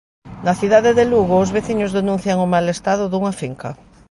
Na cidade de Lugo os veciños denuncian o mal estado dunha finca.